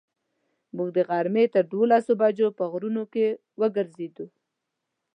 موږ د غرمې تر دولسو بجو په غرونو کې وګرځېدو.